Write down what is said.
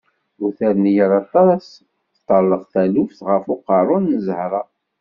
Ur terni ara aṭas, teṭṭarḍaq taluft ɣer uqerrun n Zahra.